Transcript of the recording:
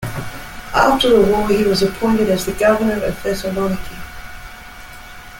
After the war he was appointed as the governor of Thessaloniki.